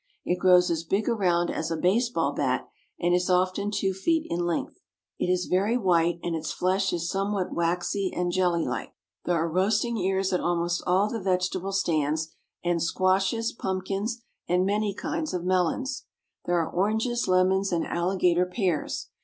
It grows as big around as a baseball bat, and is often two feet in length. It is very white, and its flesh is somewhat waxy and jelly like. There are roasting ears at almost all the vegetable stands, and squashes, pumpkins, and many kinds of melons. There are oranges, lemons, and alligator pears.